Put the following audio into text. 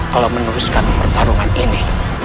kalau meneruskan pertarungan ini